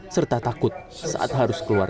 serta takut saat harus keluar